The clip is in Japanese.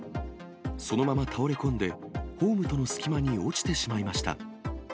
そのまま倒れ込んで、ホームとの隙間に落ちてしまいました。